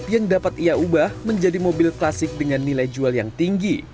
yang dapat ia ubah menjadi mobil klasik dengan nilai jual yang tinggi